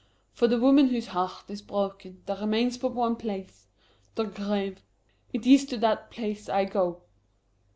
For the woman whose heart is broken there remains but one place the grave. It is to that place I go!"